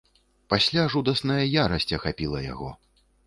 Пасля жудасная ярасць ахапіла яго.